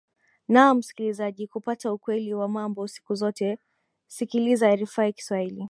naam msikilizaji kupata ukweli wa mambo siku zote sikiliza rfi kiswahili